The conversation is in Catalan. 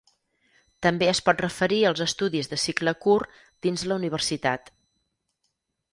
També es pot referir als estudis de cicle curt dins la universitat.